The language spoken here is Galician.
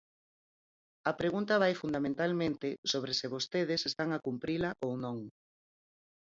A pregunta vai fundamentalmente sobre se vostedes están a cumprila ou non.